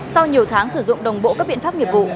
sau nhiều tháng sử dụng đồng bộ các biện pháp nghiệp vụ